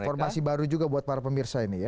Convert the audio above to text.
informasi baru juga buat para pemirsa ini ya